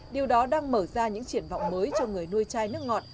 điều đó đang mở ra những triển vọng mới cho người nuôi chai nước ngọt